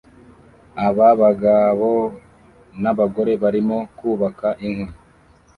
Aba bagabo n'abagore barimo kubaka inkwi